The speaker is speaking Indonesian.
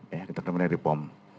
ya kita kedepankan dari pom